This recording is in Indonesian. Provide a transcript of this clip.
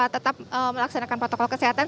kita melaksanakan protokol kesehatan